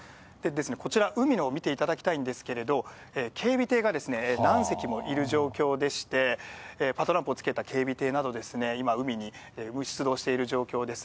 こちら、海のほうを見ていただきたいんですけれども、警備艇が何隻もいる状況でして、パトランプをつけた警備艇など、今、海に出動している状況です。